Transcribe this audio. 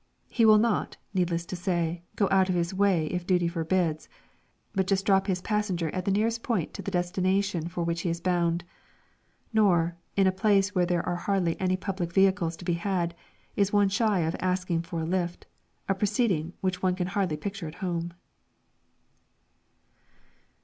He will not, needless to say, go out of his way if duty forbids, but just drop his passenger at the nearest point to the destination for which he is bound. Nor, in a place where there are hardly any public vehicles to be had, is one shy of "asking for a lift," a proceeding which one can hardly picture at home.